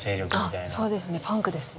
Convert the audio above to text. そうですねパンクですね。